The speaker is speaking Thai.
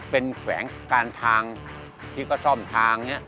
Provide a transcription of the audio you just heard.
เป็นแขวงการทางที่เขาซ่อมทางนี้